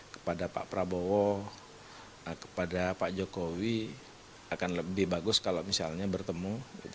kepada pak prabowo kepada pak jokowi akan lebih bagus kalau misalnya bertemu